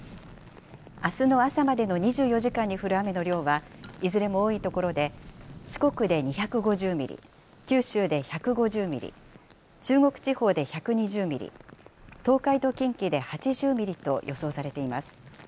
あすの朝までの２４時間に降る雨の量は、いずれも多い所で、四国で２５０ミリ、九州で１５０ミリ、中国地方で１２０ミリ、東海と近畿で８０ミリと予想されています。